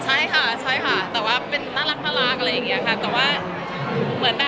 ใช่ค่ะค่ะเขาเป็นน่ารักอะไรแบบนี้แต่ว่า